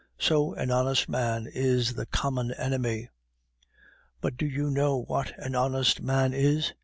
So an honest man is the common enemy. "But do you know what an honest man is?